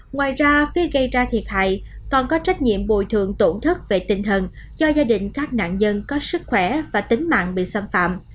ngoài ra phía gây ra thiệt hại còn có trách nhiệm bồi thường tổn thất về tinh thần cho gia đình các nạn nhân có sức khỏe và tính mạng bị xâm phạm